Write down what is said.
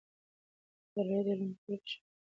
مطالعه د علم د زده کړې شوق رامنځته کوي.